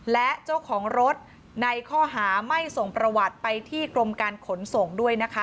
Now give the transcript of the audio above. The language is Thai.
และเจ้าของรถในข้อหาไม่ส่งประวัติไปที่กรมการขนส่งด้วยนะคะ